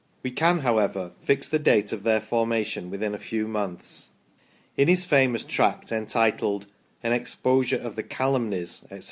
We can, however, fix the date of their formation within a few months. In his famous tract entitled " An exposure of the calumnies," etc.